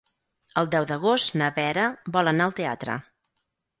El deu d'agost na Vera vol anar al teatre.